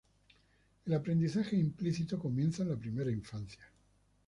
El aprendizaje implícito comienza en la primera infancia.